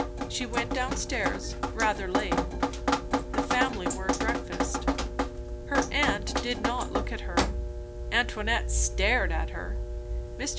She went down stairs, rather late. The family were at breakfast. Her aunt did not look at her. Antoinette stared at her. Mr.